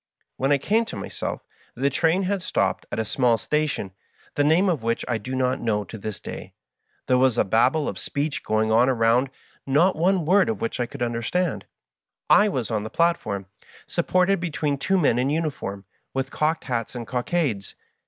When I came to myself the train had stopped at a small station, the name of which I do not know to this day. There was a Babel of speech going on around, not one word of which I could understand. I was on the platform, supported between two men in uniform, with cocked hats and cockades.